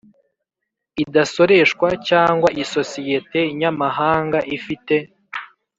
idasoreshwa cyangwa isosiyete nyamahanga ifite